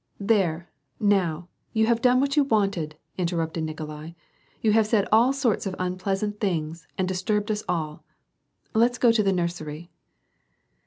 "There, now, you have done what you wanted," inter rupted Nikolai, "you have said all sorts of unpleasant things, and disturbed us all. Let's go to the nursery."